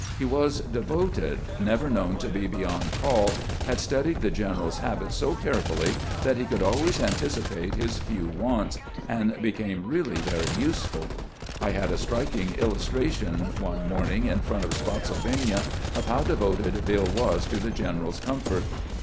He was devoted, never known to be beyond call, had studied the general's habits so carefully that he could always anticipate his few wants, and became reaUy very useful. I had a "bill" 131 striking illustration one morning in front of Spottsyl vania of how devoted Bill was to the general's comfort.